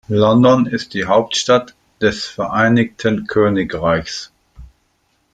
London ist die Hauptstadt des Vereinigten Königreichs.